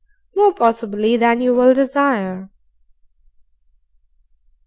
More, possibly, than you will desire.